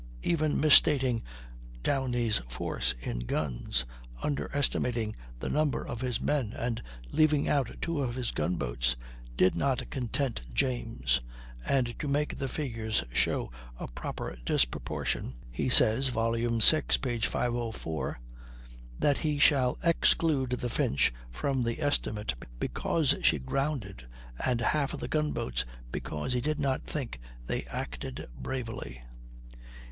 Even misstating Downie's force in guns, underestimating the number of his men, and leaving out two of his gun boats, did not content James; and to make the figures show a proper disproportion, he says (vol. vi, p. 504) that he shall exclude the Finch from the estimate, because she grounded, and half of the gun boats, because he does not think they acted bravely.